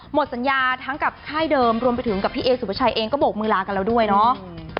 หมดสัญญาทั้งกับค่ายเดิมรวมไปถึงกับพี่เอสุภาชัยเองก็โบกมือลากันแล้วด้วยเนาะ